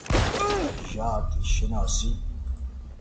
ژاد شناسی